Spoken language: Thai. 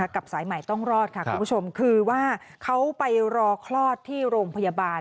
สายใหม่ต้องรอดค่ะคุณผู้ชมคือว่าเขาไปรอคลอดที่โรงพยาบาล